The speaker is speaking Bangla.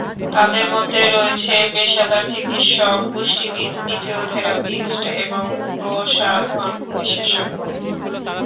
তাদের মধ্যে রয়েছে পেশাদার চকিৎিসক, পুষ্টিবিদ, ফিজিও থেরাপিস্ট এবং প্রসাধন বিশেষজ্ঞ।